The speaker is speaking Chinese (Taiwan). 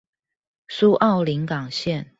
蘇澳臨港線